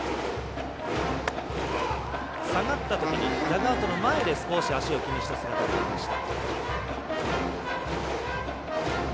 下がったときにダグアウトの前で少し足を気にした姿がありました。